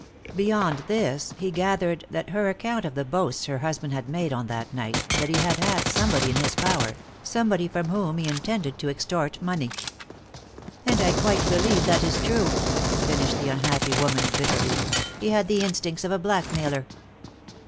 Beyond this he gathered that her account of the boasts her husband had made on that night that he had had somebody in his power, somebody from whom he intended to extort money. "And I quite believe that is true," finished the unhappy woman, bitterly. "He had the instincts of a blackmailer."